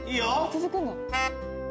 続くんだ。